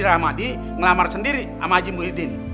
biar si ramadi ngelamar sendiri sama haji muhyiddin